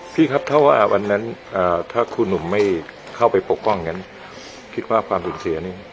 พี่ครับถ้าว่าวันนั้นถ้าครูหนุ่มไม่เข้าไปปกป้องกันคิดว่าความสูญเสียนี้